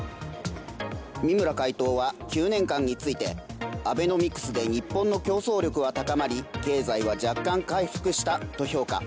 三村会頭は９年間についてアベノミクスで日本の競争力は高まり経済は若干回復したと評価。